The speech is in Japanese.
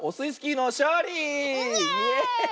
イエーイ！